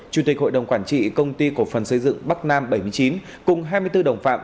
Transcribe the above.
chủ tịch hội đồng quản trị công ty cổ phần xây dựng bắc nam bảy mươi chín cùng hai mươi bốn đồng phạm